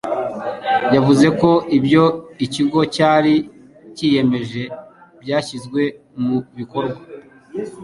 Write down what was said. yavuze ko ibyo ikigo cyari cyiyemeje byashyizwe mu bikorwa.